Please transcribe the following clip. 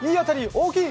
大きい！